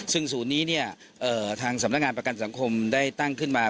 ซึ่งศูนย์นี้เนี่ยทางสำนักงานประกันสังคมได้ตั้งขึ้นมา